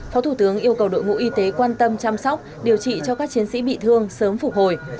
phó thủ tướng yêu cầu đội ngũ y tế quan tâm chăm sóc điều trị cho các chiến sĩ bị thương sớm phục hồi